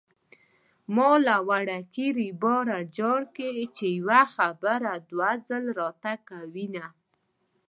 ما له وړوکي ريبار ځار کړې چې يوه خبره دوه ځلې راته کوينه